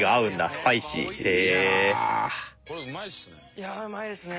いやうまいですね。